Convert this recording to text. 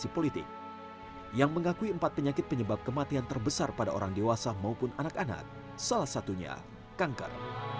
penyakit penyebab kematian terbesar pada orang dewasa maupun anak anak salah satunya kanker